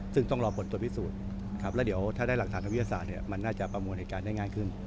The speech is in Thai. ซึ่งต้องรอผลตรวจพิสูจน์ครับแล้วเดี๋ยวถ้าได้หลักฐานทางวิทยาศาสตร์มันน่าจะประมวลเหตุการณ์ได้ง่ายขึ้น